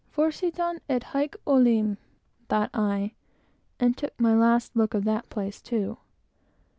"Forsan et haec olim," thought I, and took my last look of that place too.